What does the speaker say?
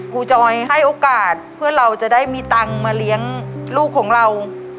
จอยให้โอกาสเพื่อเราจะได้มีตังค์มาเลี้ยงลูกของเรา